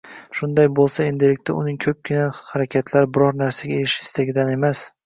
Shunday bo‘lsa, endilikda uning ko‘pgina harakatlari biron narsaga erishish istagidan emas.